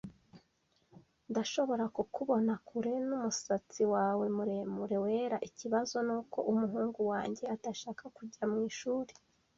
Ndashobora kukubona kure numusatsi wawe muremure, wera. Ikibazo nuko umuhungu wanjye adashaka kujya mwishuri.